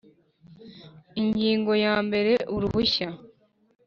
Ingingo ya mbere Uruhushya